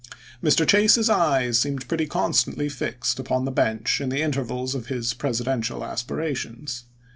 Mr. Chase's eyes seemed pretty constantly fixed upon the bench in the intervals of his Presidential aspirations.